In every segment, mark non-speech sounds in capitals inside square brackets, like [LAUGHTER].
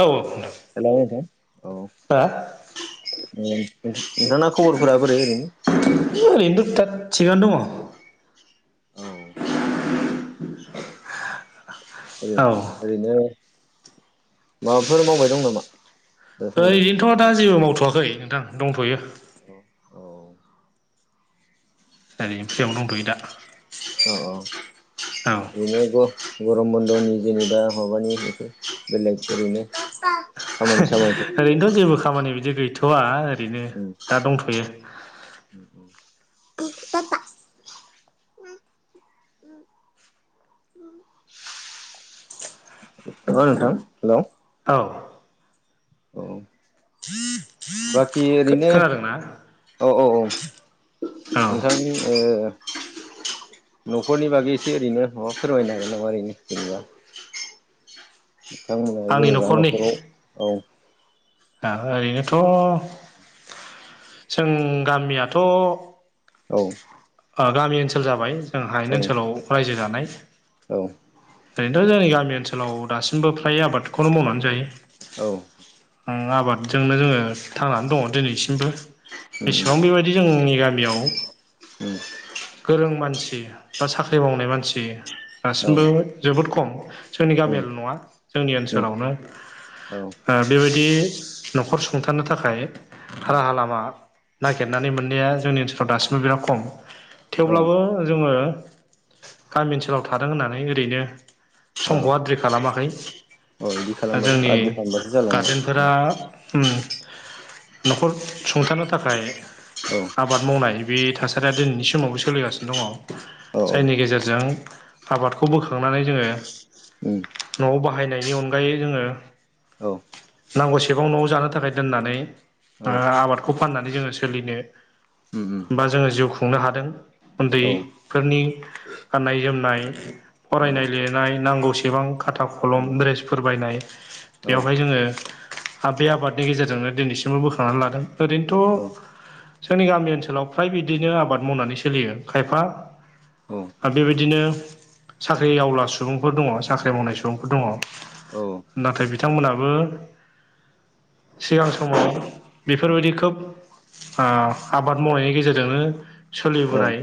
औ औ नोंथां। हेलौ नोंथां औ नोंथां खबरफोरा बोरै ओरैनो ओरैनोथु दा थिगानो दङ औ ओरैनो माबाफोर मावबाय दं नामा? ओइ दासान्दि ओदिनोथ' दा जेबो मावथ'वाखै नोंथां दंथ'यो औ औ दै फुजयावनो दंथ'यो दा अ औ औ बिनो ग गरम बन्द'नि खामानि सामानि औ ओरैनोथ' जेबो खामानि बिदि गैथ'वा ओरैनो दा दंथ'यो। [INAUDIBLE] ना नोंथां हेल' औ औ बाखि ओरैनो खोनादोंना औ औ औ औ नोंथांनि ओ न'खरनि बागै एसे ओरैनो माबा फोरमायनो होन नामा ओरैनो जेनेबा बिथांमोना आंनि जेनेबा न'खरनि न'खराव औ आ ओरैनोथ' जों गामियाथ' औ ओ गामि ओनसोल जाबाय जों हायेन ओनसोलाव रायजो जानाय औ ओरैनोथ' जोंनि गामि ओनसोलाव दासिमबो फ्राय आबादखौनो मावनानै जायो। औ आबादजोंनो जोङो थांनानै दङ दिनैसिमबो औ बेसेबां बेबायदि बिदि जोंनि गामियाव गोरों मानसि बा साख्रि मावनाय मानसि दासिमबो जोबोद खम जोंनि गामियाल' नङा जोंनि ओनसोलावनो ओ बेबायदि न'खर सुंथानो थाखाय राहा लामा नागिरनानै मोननाया जोंनि ओनसोलाव दासिमबो बिराद खम औ थेवब्लाबो जोङो गामि ओनसोलाव थादों होननानै ओरैनो औ समखौ आद्रि खालामाखै बिदि खालामबाथ' जोंनि आदि खालामबासो जाला नों गारजेनफोरा उम न'खर सुंथानो थाखाय औ आब आबाद मावनाय बे थासारिया दिनैनि समावबो सोलिगासिनो दङ औ जायनि गेजेरजों आबादखौ बोखांनानै जोङो न'आव बाहायनायनि अनगायै जोङो औ नांगौसेबां न'आव जानो थाखाय दोननानै औ आबादखौ फाननानै जोङो सोलिनो बा जोङो जिउ खुंनो हादों औ उन्दैफोरनि गाननाय जोमनाय फरायनाय लिरनाय नांगौसेबां खाथा खलम औ द्रेसफोर बायनाय बेवहाय औ जोङो ओ बे आबादनि गेजेरजोंनो दिनैसिमबो बोखांनानै लादों औ ओरैनोथ' जोंनि गामि ओनसोलाव फ्राय बिदिनो आबाद मावनानै सोलियो खायफा औ आरो बेबायदिनो साख्रि आवला सुबुंफोर दङ साख्रि मावनाय सुबुंफोर दङ। नंगौ औ नाथाय बिथांमोनाबो सिगां समाव बेफोरबायदि खोब आ आबाद मावनायनि गेजेरजोंनो सोलिबोनाय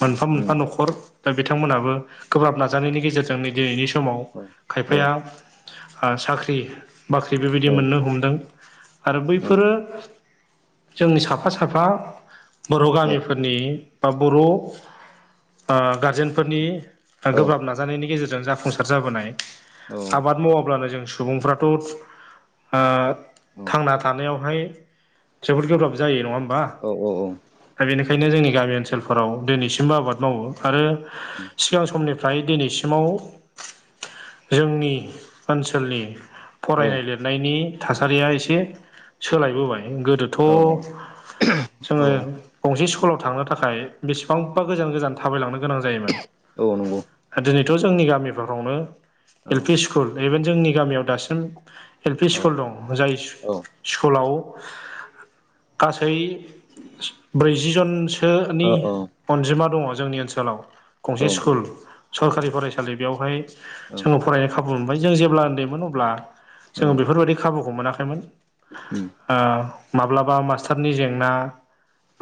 मोनफा मोनफा न'खर दा बिथांमोनाबो गोब्राब नाजानायनि गेजेरजोंनो नै दिनैनि समाव खायफाया ओ साख्रि बाख्रि बेबायदि मोननो हमदों आरो बैफोरो जोंनि साफा साफा बर' गामिफोरनि बा बर' ओ गारजेनफोरनि गोब्राब नाजानायनि गेजेरजों जाफुंसार जाबोनाय। आबाद मावाब्लानो जों सुबुंफ्राथ' ओ थांना थानायावहाय जोबोद गोब्राब जायो नङा होमबा? औ औ औ। दा बेनिखायनो जोंनि गामि ओनसोलफोराव दिनैसिमबो आबाद मावो आरो सिगां समनिफ्राय दिनैसिमाव जोंनि ओनसोलनि फरायनाय लिरनायनि थासारिया एसे सोलायबोबाय गोदोथ' जोङो गंसे स्कुलाव थांनो थाखाय बेसेबांबा गोजान गोजान थाबायलांनो गोनां जायोमोन औ नोंगौ। दिनैथ' जोंनि गामिफोरावनो एल पि स्कुल इभेन जोंनि गामियाव दासिम एल पि स्कुल दं जाय स्कुलाव गासै ब्रैजि जनसोनि अनजिमा दङ जोंनि ओनसोलाव गंसे स्कुल सरकारि फरायसालि बेयावहाय जोङो फरायनो खाबु मोनबाय जों जेब्ला उन्दैमोन अब्ला जोङो बेफोरबायदि खाबुखौ मोनाखैमोन ओ माब्लाबा मास्टारनि जेंना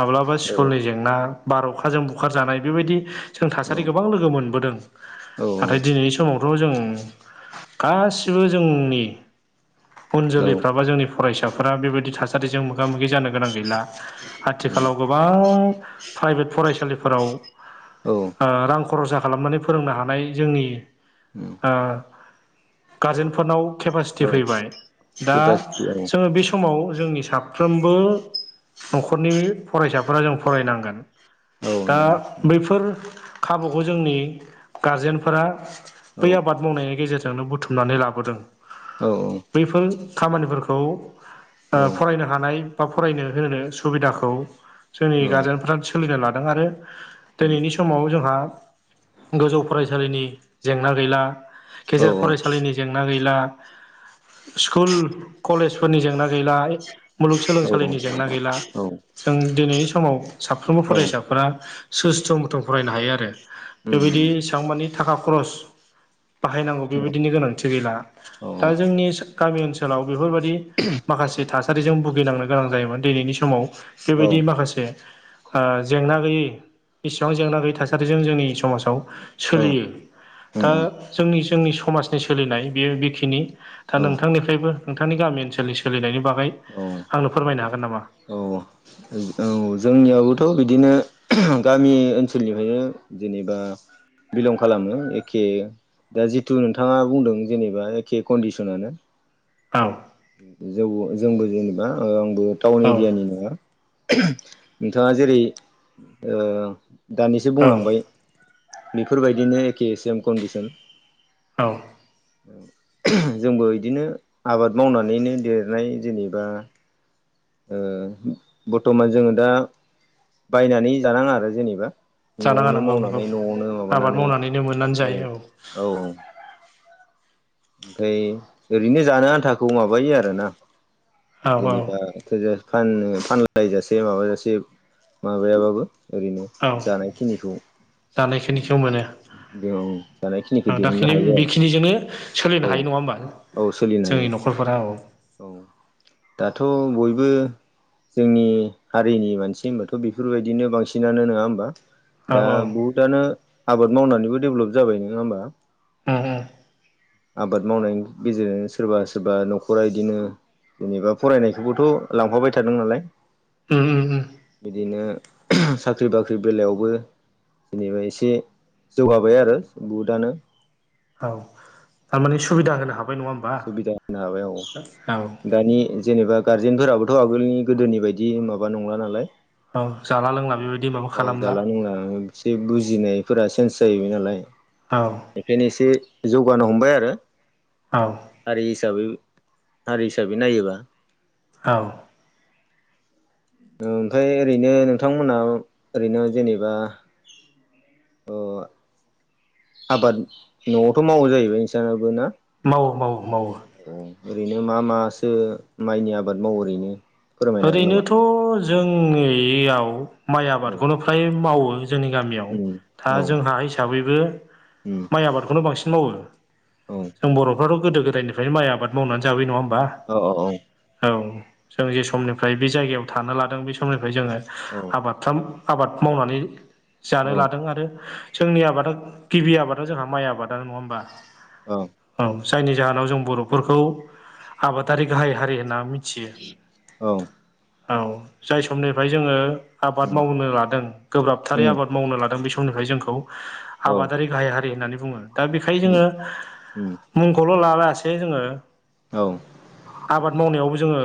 माब्लाबा स्कुलनि जेंना बार अखाजों बुखारजानाय बेबायदि जों थासारि गोबां लोगो मोनबोदों। औ औ नाथाय दिनैनि समावथ' जों गासिबो जोंनि उन औ जोलैफ्राबा जोंनि फरायसाफोरा बेबायदि थासारिजों मोगा मोगि जानो गोनां गैला। आथिखालाव गोबां प्राइभेट फरायसालिफोराव औ ओ रां खरसा खालामनानै फोरोंनो हानाय जोंनि ओ गारजेनफोरनाव केपासिटि औ फैबाय दा केपासिटि औ जोङो बे स माव जोंनि साफ्रोमबो न'खरनि फरायसाफोरा जों फरायनांगोन। औ दा नंगौ बैफोर खाबुखौ जोंनि गारजेनफोरा औ बै आबाद मावनायनि गेजेरजोंनो बुथुमनानै लाबोदों। औ बैफोर खामानिफोरखौ औ ओ फरायनो हानाय बा फरायनो होनो सुबिदाखौ जोंनि औ गारजेनफ्रा सोलिनो लादों आरो दिनैनि समाव जोंहा गोजौ फरायसालिनि जेंना गैला गेजेर फरायसालिनि जेंना गैला स्कुल कलेजफोरनि जेंना गैला मुलुगसोलोंसालिनि जेंना गैला औ जों दिनैनि समाव साफ्रोमबो फरायसाफोरा सुस्थ'मु थुं फरायनो हायो आरो बेबायदि एसेबां मानानि थाखा खरस बाहायनांगौ बेबायदिनो गोनांथि गैला दा जोंनि गामि ओनसोलाव बेफोरबायदि माखासे थासारिजों भुगिनांनो गोनां जायोमोन दिनैनि समाव औ बेबायदि माखासे ओ जेंना गैयै जेंना गैयै थासारिजों जोंनि समाजाव सोलियो। दा जोंनि जोंनि समाजनि सोलिनाय बेयो बेखिनि दा नोंथांनिफ्रायबो नोंथांनि गामि ओनसोलनि सोलिनायनि बागै आंनो फोरमायनो हागोन नामा? औ। औ जोंनियावबोथ' बिदिनो गामि ओनसोलनिफ्रायनो जेनेबा बिलं खालामो एखे दा जिथु नोंथाङा बुंदों जेनेबा एखे कन्डिसनानो औ। जौ जोंबो जेनेबा आंबो टाउन औ एरियानि नङा। नोंथाङा जेरै ओ दानिसो औ बुंलांबाय। बेफोरबायदिनो एखे सेम कन्डिसन। औ। जोंबो इदिनो आबाद मावनानैनो देरनाय जेनेबा ओ बर्थमान जोङो दा बायनानै जानाङा आरो जेनेबा। जानाङा न'आवनो नंगौ नंगौ मावनानै न'आवनो आबाद माबानानै मावनानैनो मोननानै औ जायो औ। ओमफ्राय ओरैनो जानो आन्थाखौ माबायो आरोना औ जेनेबा। औ थोजासे फान फानलायजासे माबाजासे माबायाबाबो ओरैनो जानायखिनिखौ दानायखिनिखौ मोनो जों जानायखिनिखौ आं दिहुननो दाखिनि हायो आरो बेखिनिजोंनो सोलिनो औ हायो नङा होमबा औ सोलिनो हायो जोंनि न'खरफोरा औ औ दाथ' बयबो जोंनि हारिनि मानसि होनबाथ' बेफोरबायदिनो बांसिनानो नङा होमबा? औ दा औ बहुदआनो आबाद मावनानैबो डेभेलप जाबाय नङा होमबा? उम उम आबाद मावनायनि गेजेरजों सोरबा सोरबा न'खरा इदिनो जेनेबा फरायनायखौबोथ' लांफाबाय थादों नालाय उम उम उम बिदिनो साख्रि बाख्रि बेलायावबो जेनेबा एसे जौगाबाय आरो बुहुदानो औ थारमाने सुबिदा होनो हाबाय नङा होम सुबिदा होनो हाबाय औ दानि जेनेबा गारजेनफोराबोथ' आगोलनि गोदोनि बायदि माबा नंला नालाय औ जाला लोंला बेबायदि माबा औ खालामला जाला लोंला एसे बुजिनायफोरा चेन्स जाहैबाय नालाय औ बेखायनो एसे जौगानो हमबाय आरो। औ हारि हिसाबै हारि हिसाबै नायोबा औ ओमफ्राय ओरैनो नोंथांमोनहा ओरैनो जेनेबा अ आबाद न'आवथ' मावो जाहैबाय नोंसानाबो ना? मावो मावो मावो औ ओरैनो मा मासो माइनि आबाद मावो ओरैनो फोरमायनो हागोन नामा ओरैनोथ' जोंनियाव माइ औ आबादखौनो फ्राय मावो। जोंनि गामियाव उम दा औ जों हा हिसाबैबो उम माइ आबादखौनो बांसिन मावो। औ जों बर'फ्राथ' गोदो गोदायनिफ्रायनो माइ आबाद मावनानै जाबाय नङा होमबा? अ अ औ औ जों जे समनिफ्राय बे जायगायाव थानो लादों बे समनिफ्राय जोङो औ माथाम आबाद मावनानै जानो लादों औ आरो जोंनि आबादा गिबि आबादाव जोंहा माइ आबादानो नङा होमबा। औ औ जायनि जाहोनाव जों बर'फोरखौ आबादारि गाहाय हारि होनना मिथियो। औ औ जाय समनिफ्राय जोङो आबाद उम मावनो लादों गोब्राबथारि उम आबाद मावनो लादों बे समनिफ्राय जोंखौ औ आबादारि गाहाय हारि होननानै बुङो। दा बेखाय उम जोङो उम मुंखौल' लालासे जोङो औ आबाद मावनायावबो जोङो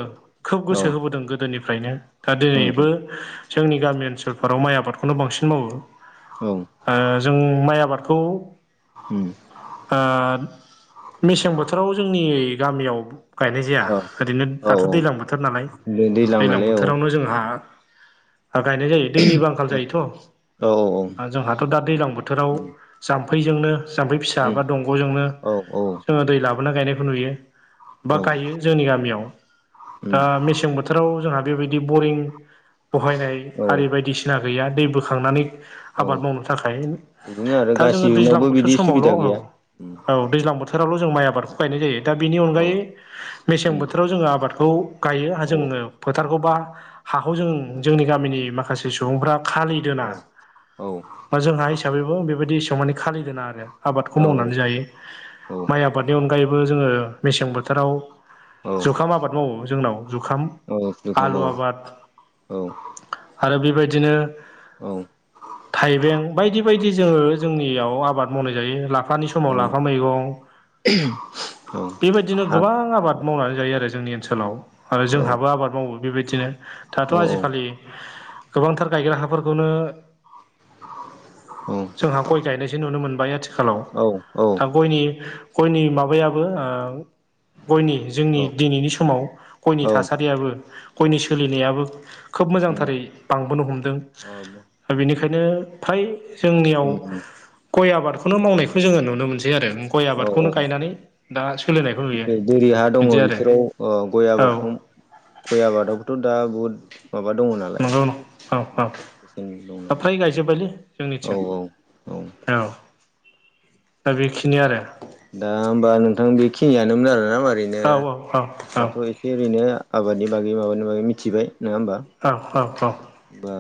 खोब औ गोसो होबोदों गोदोनिफ्रायनो दा उम उम दिनैबो जोंनि गामि ओनसोलफोराव माइ आबादखौनो बांसिन मावो। औ ओ जों माइ आबादखौ होम ओ मेसें बोथोराव जोंनि गामियाव गायनाय जाया औ ओरैनो औ दाथ' औ दैलां बोथ थोर नालाय दै- दैज्लां दैलां नालाय औ बोथोरावनो जोंहा गायनाय जायो। दैनिबो आंखाल औ जायोथ' औ जोंहाथ' दा दैज्लां बोथोराव उम जाम्फैजोंनो जाम्फै फिसा उम बा दंग'जोंनो औ औ जोङो दै लाबोनानै गायनायखौ नुयो। बा औ गायो जोंनि गामियाव उम दा मेसें बोथोराव जोंहा बेबायदि बरिं बहायनाय औ आरि बायदिसि सिना गैया दै बोखांनानै औ आबाद मावनो थाखाय बिदिनो आरो दा जोङो दैज्लां गासिबनावबो बोथोर बिदि समावल' सुबिदा गैया औ-औ उम दैज्लां बोथ बोथोरावल' जों माइ आबादखौ गायनाय जायो दा बिनि औ अनगायै मेसें उम बोथोराव जोङो आबादखौ गायो औ जोङो फोथारखौबा हाखौ जों जोंनि गामिनि माखासे सुबुंफ्रा खालि औ दोना औ जोंहा हिसाबैबो बेबायदि एसां माने खालि दोना आरो। आबादखौ औ मावनानै जायो औ माइ आबादनि अनगायैबो जोङो मेसें बोथोराव औ जुखाम आबाद मावो जोंनाव जुखाम औ जुखाम आलु औ आबाद औ आरो बेबायदिनो औ थाइबें बायदि-बायदि जोङो औ जोंनियाव आबाद मावनाय जायो लाफानि समाव लाफा मैगं [INAUDIBLE] औ बेबायदिनो हा गोबां औ आबाद मावनानै जायो आरो जोंनि ओनसोलाव। आरो औ जोंहाबो आबाद मावो बेबायदिनो औ दाथ' आजिखालि गोबांथार गायग्रा हाफोरखौनो औ जोंहा गय गायनायसो नुनो मोनबाय आथिखालाव औ औ दा गयनि गयनि माबायाबो ओ गयनि जोंनि उम दिनैनि समाव गयनि थासार रियाबो गयनि सोलिनायाबो खोब मोजांथारै बांबोनो हमदों। औ दा बेनिखायनो फ्राय जोंनियाव उम गय आबादखौनो मावनायखौ जोङो नुनो मोनसै आरो। गय औ आबादखौनो औ गायनानै दा सोलिनायखौ नुयो बिदि आरो। अ गय औ आबादखौ गय आबादावखौथ' दा बुहुद माबा दङ नालाय। औ-औ बेसेन दं दा नालाय फ्राय गायजोब्बायलै औ जोंनिथिं औ। दा बेखिनि आरो। दा होमबा नोंथां बेखिनियामोननो आरोना मारैनो औ औ औ दाथ' ए ओरैनो आबादनि बागै माबानि बागै मिथिबाय नङा होमबा। औ-औ-औ। बा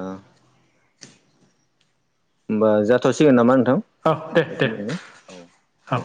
होमबा जाथ'सिगोन नामा नोंथां। औ दे-दे बेखिनियावनो औ औ। दे